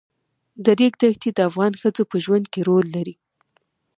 د ریګ دښتې د افغان ښځو په ژوند کې رول لري.